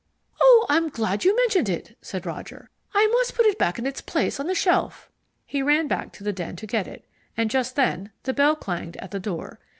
"Oh, I'm glad you mentioned it," said Roger. "I must put it back in its place on the shelf." He ran back to the den to get it, and just then the bell clanged at the door.